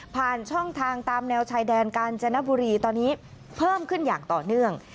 ผ่านช่องทางตามแนวชายแดนกาญจนบุรีตอนนี้เพิ่มขึ้นอย่างต่อเนื่อง